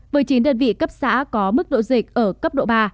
với chín đơn vị cấp xã có mức độ dịch ở cấp độ ba